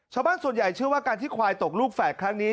ชาวบ้านส่วนใหญ่เชื่อว่าการที่ควายตกลูกแฝดครั้งนี้